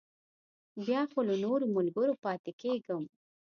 بیا خو له نورو ملګرو پاتې کېږم.